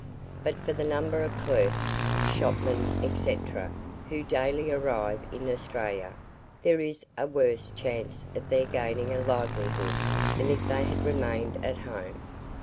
But for the number of clerks, shopmen, &c., who daily arrive in Australia, there is a worse chance of their gaining a livelihood than if they had remained at home.